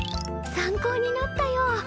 参考になったよ。